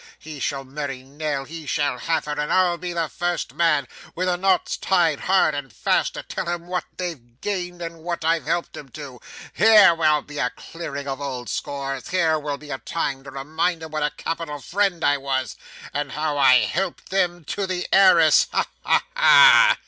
He shall marry Nell. He shall have her, and I'll be the first man, when the knot's tied hard and fast, to tell 'em what they've gained and what I've helped 'em to. Here will be a clearing of old scores, here will be a time to remind 'em what a capital friend I was, and how I helped them to the heiress. Ha ha ha!